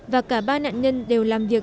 và cả ba nạn nhân đều làm việc